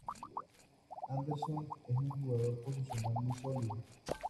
Andersson es un jugador posicional muy sólido.